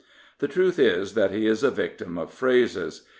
The truth is that he is a victim of phrases.